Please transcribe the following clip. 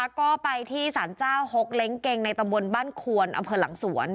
ก็ไปที่สารเจ้าหกเล้งเกงในตำบลบ้านควนอำเภอหลังสวน